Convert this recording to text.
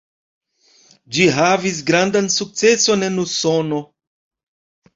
Ĝi havis grandan sukceson en Usono.